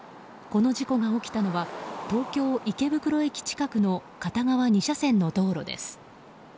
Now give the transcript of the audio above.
この事故が起きたのは東京・池袋駅近くの片側２車線の道路です。